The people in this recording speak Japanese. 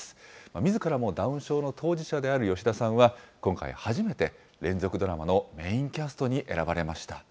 みずからもダウン症の当事者である吉田さんは、今回初めて、連続ドラマのメインキャストに選ばれました。